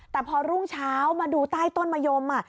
แต่พอรุ่งเช้ามาดูใต้ต้นมะยม